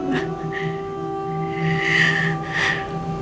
ternyata aku ingin